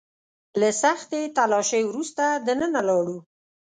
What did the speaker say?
له سختې تلاشۍ وروسته دننه لاړو.